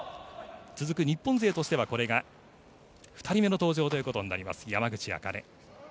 続く日本勢としてはこれが２人目の登場ということになります、山口茜。